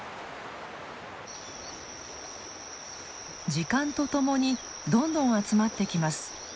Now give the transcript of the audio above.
時間とともにどんどん集まってきます。